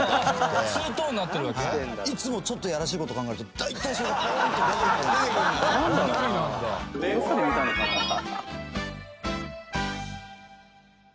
「ツートーンになってるわけ⁉」「いつもちょっとやらしいこと考えるとだいたいそれがぽんって出てくるんです」